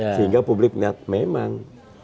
sehingga publik lihat memang